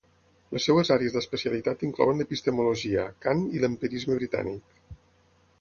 Les seves àrees d'especialitat inclouen l'epistemologia, Kant i l'empirisme britànic.